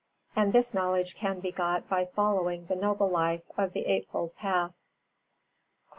And this knowledge can be got by following the noble life of the Eightfold Path. 370.